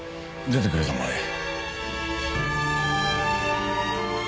出てくれたまえ。